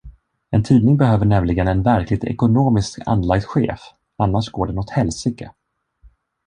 En tidning behöver nämligen en verkligt ekonomiskt anlagd chef, annars går den åt helsike.